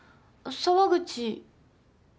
沢口。